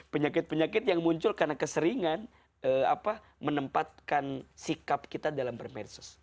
penyakit penyakit yang muncul karena keseringan menempatkan sikap kita dalam bermedsos